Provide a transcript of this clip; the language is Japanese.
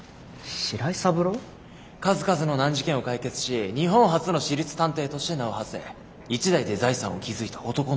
数々の難事件を解決し日本初の私立探偵として名をはせ一代で財産を築いた男の物語。